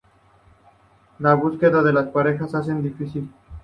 La búsqueda de la pareja se hace difícil.